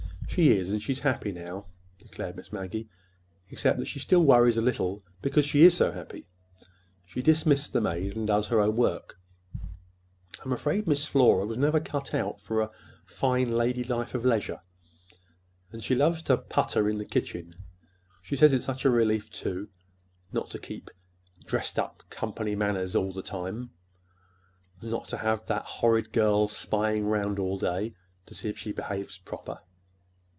"She is, and she's happy now," declared Miss Maggie, "except that she still worries a little because she is so happy. She's dismissed the maid and does her own work—I'm afraid Miss Flora never was cut out for a fine lady life of leisure, and she loves to putter in the kitchen. She says it's such a relief, too, not to keep dressed up in company manners all the time, and not to have that horrid girl spying 'round all day to see if she behaves proper.